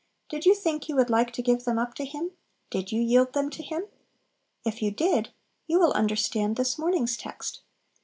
Did you think you would like to give them up to Him? did you yield them to Him? If you did, you will understand this morning's text!